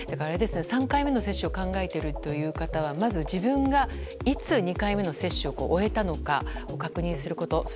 ３回目の接種を考えているという方はまず自分がいつ２回目の接種を終えたのか確認すること。